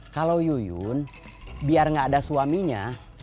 kalo yuyun biar gak ada suaminya